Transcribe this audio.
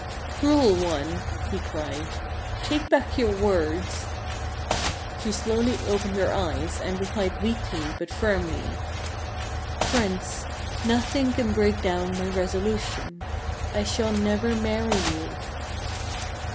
" Cruel one," he cried, " take back your words !" She slowly opened her eyes, and replied weakly, but firmly :—" Prince, nothing can break down my resolution. I shall never marry you."